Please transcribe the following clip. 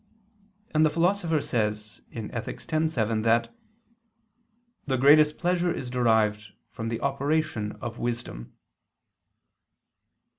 And the Philosopher says (Ethic. x, 7) that "the greatest pleasure is derived from the operation of wisdom."